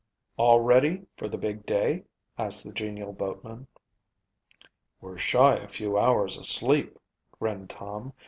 "All ready for the big day?" asked the genial boatman. "We're shy a few hours sleep," grinned Tom.